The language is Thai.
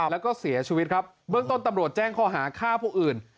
แล้วก็เสียชีวิตครับเบื้องต้นตำรวจแจ้งข้อหาฆ่าผู้อื่น